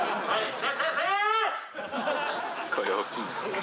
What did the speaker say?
はい。